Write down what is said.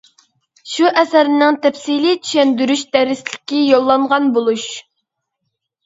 شۇ ئەسەرنىڭ تەپسىلىي چۈشەندۈرۈش دەرسلىكى يوللانغان بولۇش.